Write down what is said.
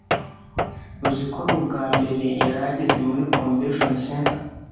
uziko ari ubwa mbere yari ageze muri convention centre